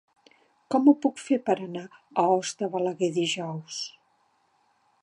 Com ho puc fer per anar a Os de Balaguer dijous?